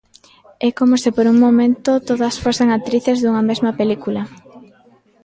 É como se por un momento todas fosen actrices dunha mesma película.